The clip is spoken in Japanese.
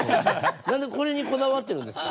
何でこれにこだわってるんですか？